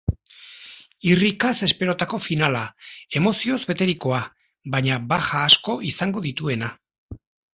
Irrikaz esperotako finala, emozioz beterikoa, baina baja asko izango dituena.